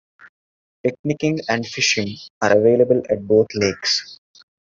Picnicking and fishing are available at both lakes.